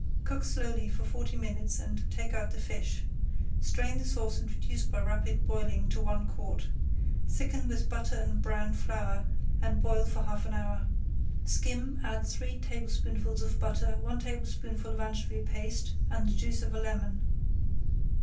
Cook slowly for forty minutes and take out the fish. Strain the sauce and reduce by rapid boiling to one quart. Thicken with butter and browned flour and boil for half an hour. Skim, add three tablespoonfuls of butter, one tablespoonful of anchovy paste, and the juice of a lemon.